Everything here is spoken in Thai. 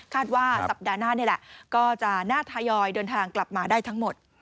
ว่าสัปดาห์หน้านี่แหละก็จะน่าทยอยเดินทางกลับมาได้ทั้งหมด